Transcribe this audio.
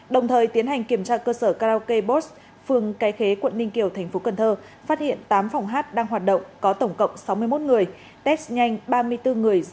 đồng thời tiến hành kiểm tra cơ sở karaoke bos phường cái khế quận ninh kiều thành phố cần thơ phát hiện tám phòng hát đang hoạt động có tổng cộng sáu mươi một người